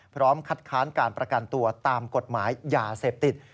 พร้อมคัดค้านการประกันตัวตามกฎหมายยาเสพติด